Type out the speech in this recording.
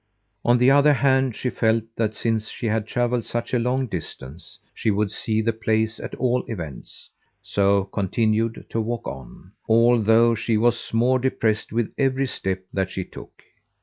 On the other hand she felt that since she had travelled such a long distance, she would see the place at all events, so continued to walk on, although she was more depressed with every step that she took.